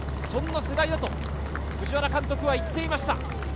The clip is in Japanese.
そんな世代だと藤原監督は言っていました。